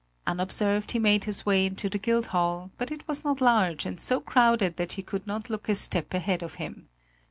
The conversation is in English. Unobserved he made his way into the Guildhall; but it was not large and so crowded that he could not look a step ahead of him.